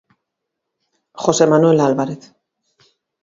José Manuel Álvarez.